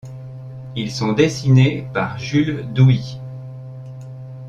Ils sont dessinés par Jule Douy.